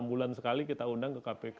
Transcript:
enam bulan sekali kita undang ke kpk